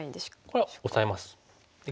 これはオサえます。